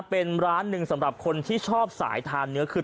เป็นร้านหนึ่งสำหรับคนที่ชอบสายทานเนื้อคือ